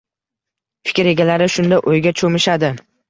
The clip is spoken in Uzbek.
Fikr egalari shunda... o‘yga cho‘mishadi.